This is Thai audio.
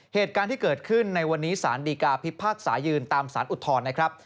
เหตุการณ์ที่เกิดขึ้นในวันนี้สารดีกาพิพากษายืนตามสารอุทธรณ์นะครับ